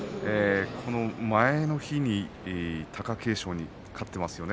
前の日に貴景勝に勝っていますよね。